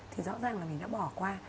thì rõ ràng là mình đã bỏ qua